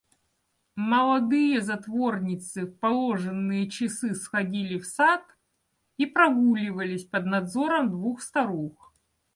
Молодые затворницы в положенные часы сходили в сад и прогуливались под надзором двух старух.